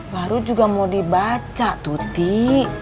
baru juga mau dibaca tuh cik